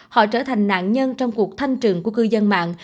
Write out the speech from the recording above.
họ trở thành nạn nhân trong cuộc thanh trừng của cư dân mạng